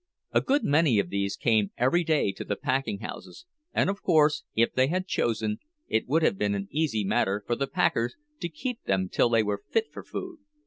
A good many of these came every day to the packing houses—and, of course, if they had chosen, it would have been an easy matter for the packers to keep them till they were fit for food.